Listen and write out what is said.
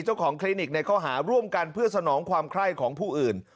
คลินิกในข้อหาร่วมกันเพื่อสนองความไข้ของผู้อื่น